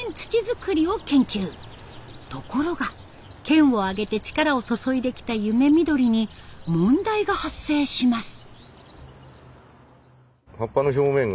県を挙げて力を注いできたゆめみどりに問題が発生します。